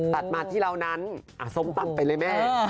ตัดมาที่ราวนั้นอ่ะส้มปันไปเลยแม่